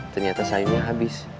ternyata sayurnya habis